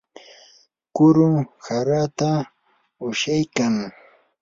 kuru harata ushaykan.